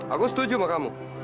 aku setuju sama kamu